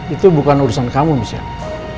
itu bukan urusan kamu misalnya